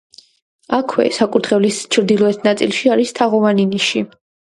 აქვე, საკურთხევლის ჩრდილოეთ ნაწილში, არის თაღოვანი ნიში.